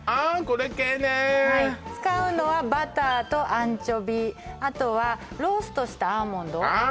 これ系ねはい使うのはバターとアンチョビあとはローストしたアーモンドああ